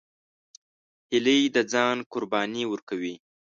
هیلۍ د ځان قرباني ورکوي